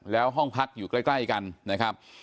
แล้วห้องพักอยู่ใกล้กันนะครับ